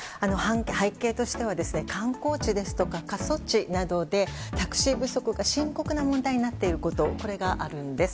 背景としては観光地ですとか過疎地などでタクシー不足が深刻な問題になっていることこれがあるんです。